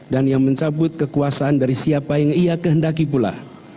dan yang mencabut kekuasaan dari siapa yang ia kehendaki pula